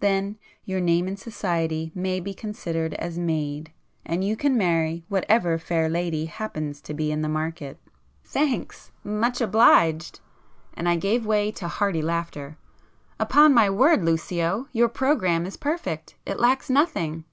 Then your name in society may be considered as made, and you can marry whatever fair lady happens to be in the market!" "Thanks!—much obliged!" and I gave way to hearty laughter—"Upon my word Lucio, your programme is perfect! It lacks nothing!"